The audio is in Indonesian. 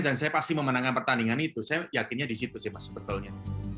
dan saya pasti memenangkan pertandingan itu saya yakinnya di situ sih mas sebetulnya